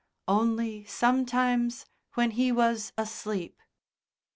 Only sometimes when he was asleep....